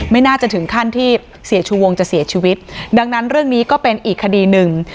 ไม่น่าจะถึงขั้นที่เสียชูวงจะเสียชีวิตดังนั้นเรื่องนี้ก็เป็นอีกคดีหนึ่ง